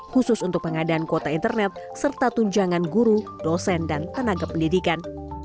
khusus untuk pengadaan kuota internet serta tunjangan guru dosen dan tenaga pendidikan